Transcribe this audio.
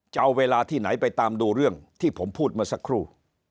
จะเอาเวลาที่ไหนไปตามดูเรื่องที่ผมพูดเมื่อสักครู่